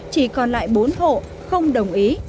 chỉ còn lại bốn hộ không đồng ý